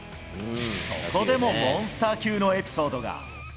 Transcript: そこでもモンスター級のエピソードが。